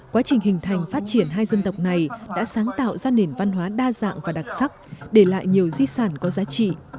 quá trình hình thành phát triển hai dân tộc này đã sáng tạo ra nền văn hóa đa dạng và đặc sắc để lại nhiều di sản có giá trị